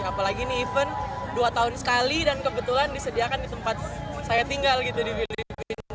apalagi ini event dua tahun sekali dan kebetulan disediakan di tempat saya tinggal gitu di filipina